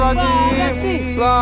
jangan jatuh gini ya